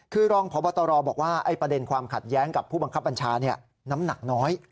คือรองพบตรบอกว่าประเด็นความขัดแย้งกับผู้บังคับบัญชาน้ำหนักน้อย